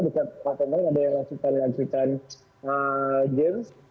dekat latar belakang ada yang melakukan lansikan games